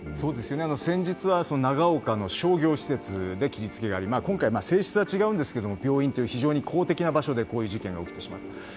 先日、長岡の商業施設で切り付けがあり今回、性質は違うんですけども病院という公的な場所でこういう事件が起きてしまった。